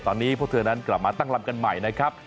ตอนนี้พวกเธอนั้นกลับมาตั้งลำกันใหม่นะครับ